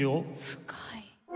深い。